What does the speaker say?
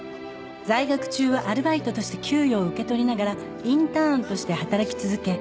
在学中はアルバイトとして給与を受け取りながらインターンとして働き続け。